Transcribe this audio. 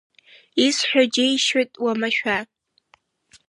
Исҳәо џьеишьоит уамашәа.